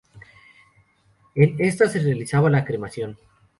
En esta se realizaba la cremación.